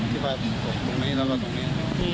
ตรงนี้แล้วก็ตรงนี้